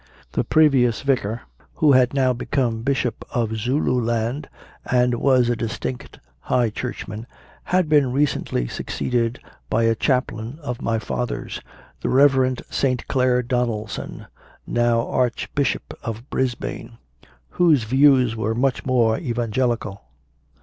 The previous vicar, who had now become Bishop of Zululand, and was a distinct High Churchman, had been recently succeeded by a chaplain of my father s CONFESSIONS OF A CONVERT 37 the Rev. St. Clair Donaldson, now Archbishop of Brisbane, whose views were much more Evangeli cal.